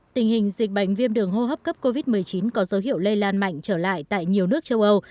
tình hình dịch bệnh viêm đường hô hấp cấp covid một mươi chín có dấu hiệu lây lan mạnh trở lại tại nhiều nước châu âu